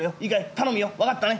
頼むよ分かったね。